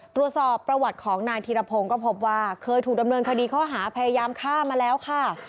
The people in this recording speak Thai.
ตรวจสอบประวัติของนายธีรพงศ์ก็พบว่าเคยถูกดำเนินคดีข้อหาพยายามฆ่ามาแล้วค่ะ